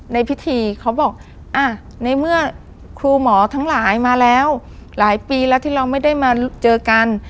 ในพิธีเขาบอกอ่ะในเมื่อครูหมอทั้งหลายมาแล้วหลายปีแล้วที่เราไม่ได้มาเจอกัน